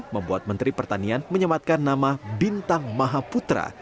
membuat menteri pertanian menyematkan nama bintang mahaputra